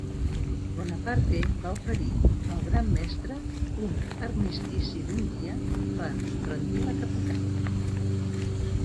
Bonaparte va oferir al Gran Mestre un armistici d'un dia per rendir la capital.